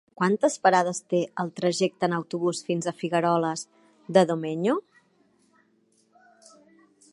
Quantes parades té el trajecte en autobús fins a Figueroles de Domenyo?